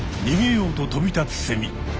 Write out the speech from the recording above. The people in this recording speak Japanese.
にげようと飛び立つセミ。